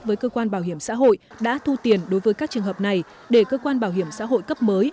với cơ quan bảo hiểm xã hội đã thu tiền đối với các trường hợp này để cơ quan bảo hiểm xã hội cấp mới